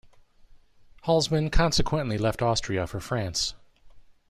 Halsman consequently left Austria for France.